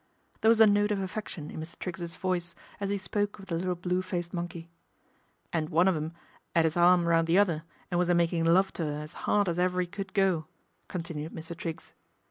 There was a note of affection in Mr. Triggs's voice as he spoke of the little blue faced monkey. " And one of 'em 'ad 'is arm round the other and was a making love to 'er as 'ard as ever 'e could go," continued Mr. Triggs.